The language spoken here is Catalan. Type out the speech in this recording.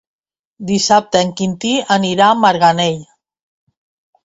Dissabte en Quintí anirà a Marganell.